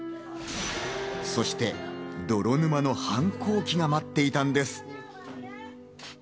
そして泥沼の反抗期が待っていたんです。